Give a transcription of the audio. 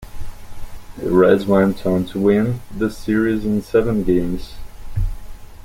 The Reds went on to win the series in seven games.